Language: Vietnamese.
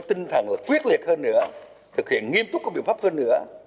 tinh thần quyết liệt hơn nữa thực hiện nghiêm túc các biểu pháp hơn nữa